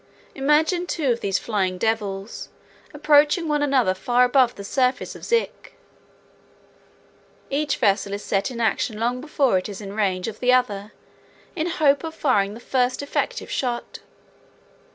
Imagine two of these Flying Devils approaching one another far above the surface of Zik. Each vessel is set in action long before it is in range of the other in the hope of firing the first effective shot.